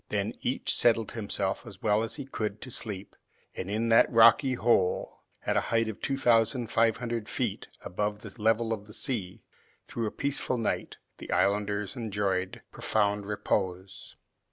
Then each settled himself as well as he could to sleep, and in that rocky hole, at a height of two thousand five hundred feet above the level of the sea, through a peaceful night, the islanders enjoyed profound repose.